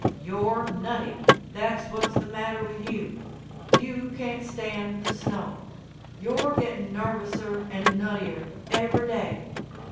"You're nutty. That's what's the matter with you. You can't stand the snow. You're getting nervouser, and nuttier every day.